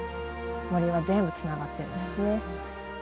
森は全部つながってるんですね。